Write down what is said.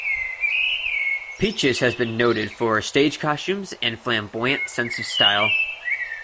Peaches has been noted for her stage costumes and flamboyant sense of style.